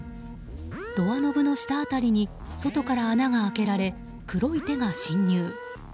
ドアノブの下辺りに外から穴が開けられ黒い手が侵入。